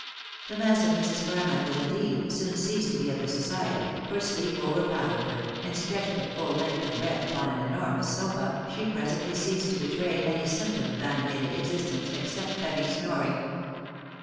The massive Mrs. Carmichael, indeed, soon ceased to be of the society, for sleep overpowered her, and stretched at fuU length and breadth upon an enormous sofa, she presently ceased to betray any symptom of animated existence, except heavy snoring.